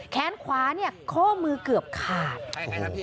แขนขวาเนี่ยข้อมือเกือบขาด